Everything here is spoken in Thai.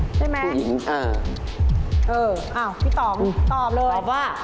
ใช่ไหมเออผู้หญิงเออเออพี่ตอ๋อตอบเลยตอบว่า